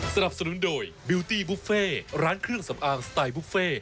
สนับสนุนโดยบิวตี้บุฟเฟ่ร้านเครื่องสำอางสไตล์บุฟเฟ่